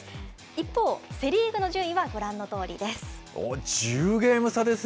一方、セ・リーグの順位はご覧のとおりです。